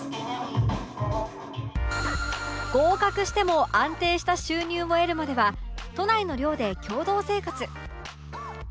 合格しても安定した収入を得るまでは都内の寮で共同生活